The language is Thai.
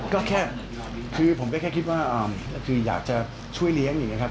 ก็แค่คือผมก็แค่คิดว่าคืออยากจะช่วยเลี้ยงอย่างนี้ครับ